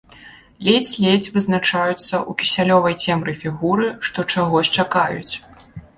Ледзь-ледзь вызначаюцца ў кісялёвай цемры фігуры, што чагось чакаюць.